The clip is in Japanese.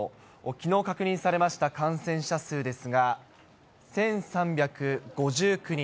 きのう確認されました感染者数ですが、１３５９人。